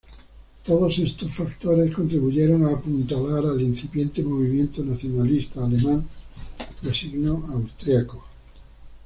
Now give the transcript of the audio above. Todo estos factores contribuyeron a apuntalar al incipiente movimiento nacionalista alemán de signo austriaco.